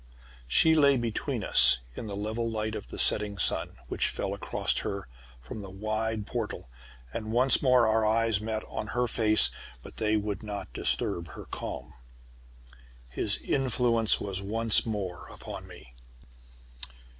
She lay between us in the level light of the setting sun, which fell across her from the wide portal, and once more our eyes met on her face, but they would not disturb her calm. His influence was once more upon me.